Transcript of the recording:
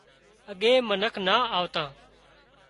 اڳي منک نا آوتان